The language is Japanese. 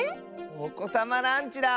おこさまランチだ！